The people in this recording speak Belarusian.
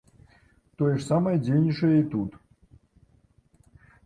Тое ж самае дзейнічае і тут.